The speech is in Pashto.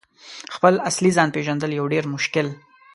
» خپل اصلي ځان « پیژندل یو ډیر مشکل